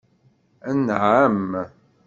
Anɛam?